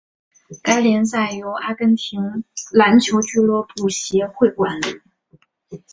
该联赛由阿根廷篮球俱乐部协会管理。